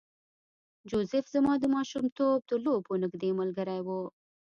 جوزف زما د ماشومتوب د لوبو نږدې ملګری و